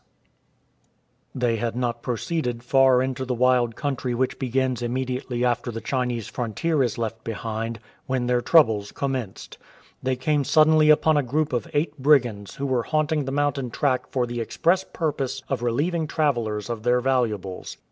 80 ATTACKED BY BKIGANDS They had not proceeded far into the wild country which begins immediately after the Chinese frontier is left behind, when their troubles commenced. They came suddenly upon a group of eight brigands who were haunting the mountain track for the express purpose of relieving travellers of their valuables.